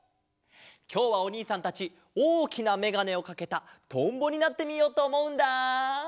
きょうはおにいさんたちおおきなめがねをかけたとんぼになってみようとおもうんだ！